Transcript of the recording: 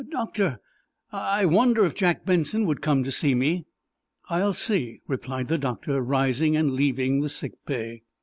"Doctor, I—I wonder if Jack Benson would come to see me?" "I'll see," replied the doctor, rising and leaving the "sick bay."